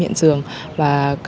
huyện tổ công tác